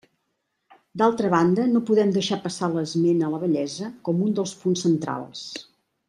D'altra banda, no podem deixar passar l'esment a la bellesa com un dels punts centrals.